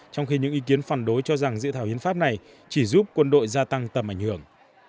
trong khi những ý kiến phản đối cho rằng dự thảo hiến pháp này chỉ giúp quân đội gia tăng tầm ảnh hưởng